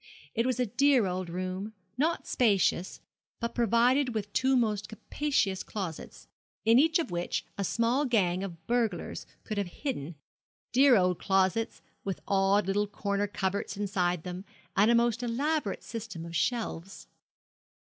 It was a dear old room, not spacious, but provided with two most capacious closets, in each of which a small gang of burglars could have hidden dear old closets, with odd little corner cupboards inside them, and a most elaborate system of shelves.